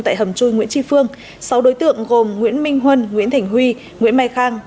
tại hầm chui nguyễn tri phương sáu đối tượng gồm nguyễn minh huân nguyễn thỉnh huy nguyễn mai khang